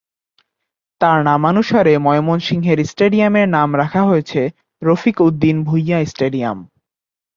তার নামানুসারে ময়মনসিংহের স্টেডিয়ামের নাম রাখা হয়েছে "রফিক উদ্দিন ভূঁইয়া স্টেডিয়াম"।